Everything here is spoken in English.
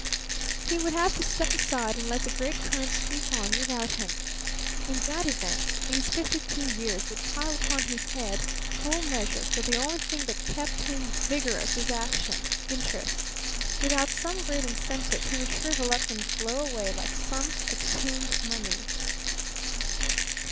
He would have to step aside and let the great currents sweep on without him. In that event these fifty two years would pile upon his head, full measure; for the only thing that kept him vigorous was action, interest. Without some great incentive he would shrivel up and blow away like some exhumed mummy.